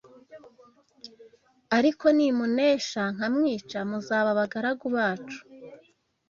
Ariko nimunesha nkamwica muzaba abagaragu bacu